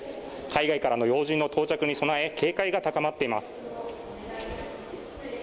海外からの要人の到着に備え警戒が高まっています。